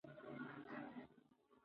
هغه د وجدان له مخې پرېکړې کولې.